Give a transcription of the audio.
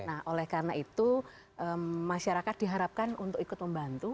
nah oleh karena itu masyarakat diharapkan untuk ikut membantu